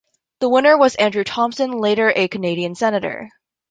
The winner was Andrew Thompson, later a Canadian Senator.